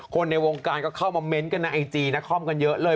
ในวงการก็เข้ามาเม้นต์กันในไอจีนักคอมกันเยอะเลย